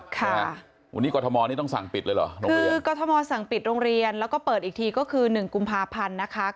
ค่ะวันนี้กรทมนี่ต้องสั่งปิดเลยเหรอคือกรทมสั่งปิดโรงเรียนแล้วก็เปิดอีกทีก็คือ๑กุมภาพันธ์นะคะ